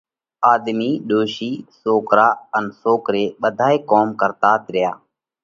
آۮمِي، ڏوشي، سوڪرا ان سوڪري ٻڌائي ڪوم ڪرتات ريا۔